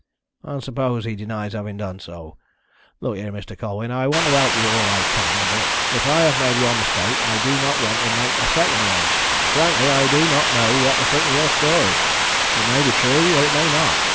"And suppose he denies having done so? Look here, Mr. Colwyn, I want to help you all I can, but if I have made one mistake, I do not want to make a second one. Frankly, I do not know what to think of your story. It may be true, or it may not.